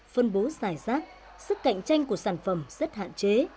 phân bố giải rác sức cạnh tranh của sản phẩm rất hạn chế